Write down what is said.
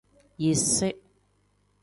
Yisi.